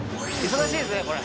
忙しいですねこれ。